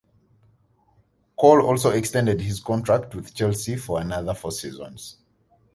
Cole also extended his contract with Chelsea for another four seasons.